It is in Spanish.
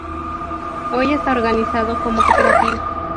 Hoy está organizado como cooperativa.